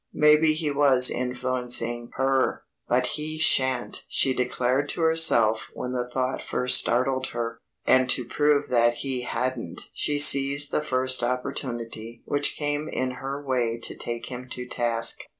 Maybe he was influencing her. "But he sha'n't!" she declared to herself when the thought first startled her, and to prove that he hadn't she seized the first opportunity which came in her way to take him to task.